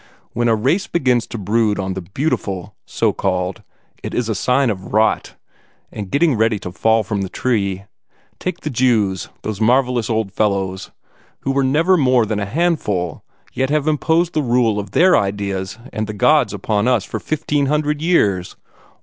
"When a race begins to brood on the beautiful so called it is a sign of rot, of getting ready to fall from the tree. Take the Jews those marvellous old fellows who were never more than a handful, yet have imposed the rule of their ideas and their gods upon us for fifteen hundred years.